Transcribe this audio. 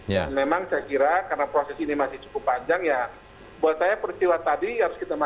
dan memang saya kira karena proses ini masih cukup panjang ya buat saya perkeja tadi harus kita menganggap sebagai perkejaan